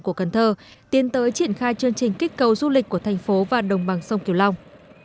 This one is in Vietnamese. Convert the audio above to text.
của cần thơ tiến tới triển khai chương trình kích cầu du lịch của thành phố và đồng bằng sông kiều long